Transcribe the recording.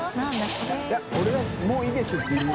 い俺は「もういいです」って言う。